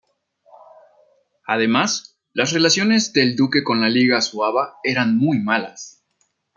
Además, las relaciones del duque con la Liga Suaba eran muy malas.